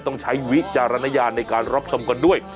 ต้องใช้วิจารณญาณในการรับชมกันด้วย